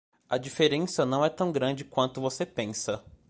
A diferença não é tão grande quanto você pensa.